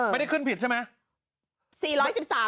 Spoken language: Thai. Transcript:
ไม่ได้ขึ้นผิดใช่ไหม